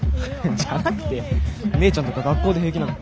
じゃなくて姉ちゃんとか学校で平気なの？